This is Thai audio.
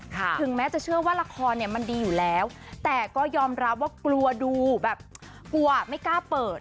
ถึงแม้จะเชื่อว่าละครเนี่ยมันดีอยู่แล้วแต่ก็ยอมรับว่ากลัวดูแบบกลัวไม่กล้าเปิด